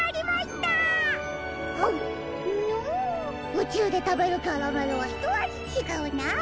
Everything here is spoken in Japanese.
うちゅうでたべるキャラメルはひとあじちがうな。